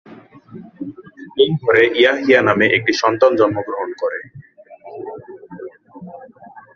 এই ঘরে ইয়াহইয়া নামে একটি সন্তান জন্মগ্রহণ করে।